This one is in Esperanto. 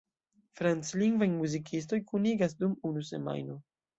Franclingvaj muzikistoj kunigas dum unu semajno.